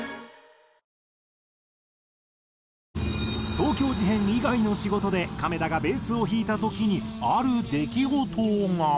東京事変以外の仕事で亀田がベースを弾いた時にある出来事が。